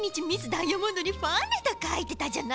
・ダイヤモンドにファンレターかいてたじゃないの。